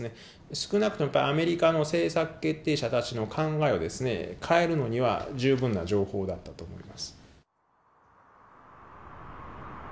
少なくともアメリカの政策決定者たちの考えを変えるのには十分な情報だったと思います。